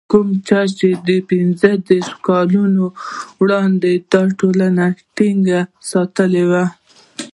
کوم چې پنځه دېرش کاله وړاندې دا ټولنه ټينګه ساتلې وه.